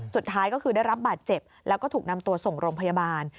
สุดท้ายก็คือได้รับบาดเจ็บแล้วก็ถูกนำตัวส่งโรงพยาบาล